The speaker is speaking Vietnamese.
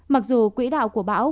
mặc dù quỹ đạo của bão